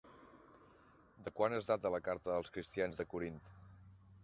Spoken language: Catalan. De quan es data la Carta als cristians de Corint?